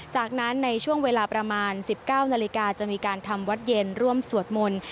จากนั้นในช่วงเวลาประมาณ๑๙นาฬิกาจะมีการทำวัดเย็นร่วมสวดมนต์